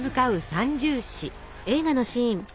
「三銃士」。